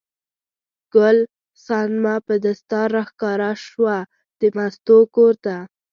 ګل صنمه په دستار راښکاره شوه د مستو کور ته.